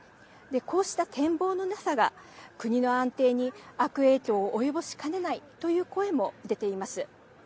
こうした展望のなさが国の安定に悪影響を及ぼしかねないという声も出ています。